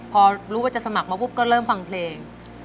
พอรู้ว่าจะสมัครมาปุ๊บก็เริ่มฟังเพลง